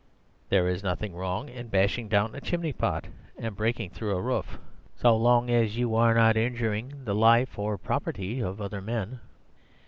There is nothing wrong in bashing down a chimney pot and breaking through a roof, so long as you are not injuring the life or property of other men.